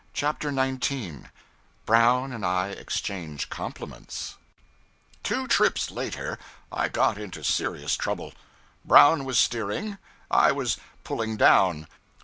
CHAPTER 19 Brown and I Exchange Compliments Two trips later, I got into serious trouble. Brown was steering; I was 'pulling down.'